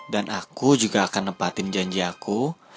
dan aku juga akan nepatin janji aku